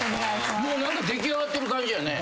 もう出来上がってる感じやね。